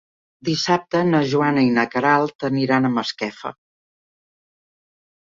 Dissabte na Joana i na Queralt aniran a Masquefa.